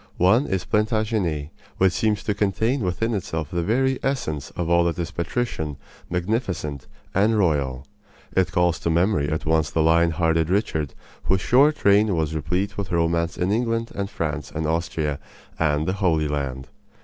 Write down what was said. One is Plantagenet, which seems to contain within itself the very essence of all that is patrician, magnificent, and royal. It calls to memory at once the lion hearted Richard, whose short reign was replete with romance in England and France and Austria and the Holy Land.